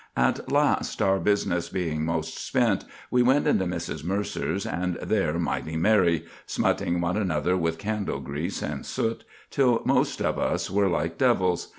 At last our businesses being most spent, we into Mrs. Mercer's, and there mighty merry, smutting one another with candle grease and soot, till most of us were like devils.